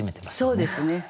そうですね。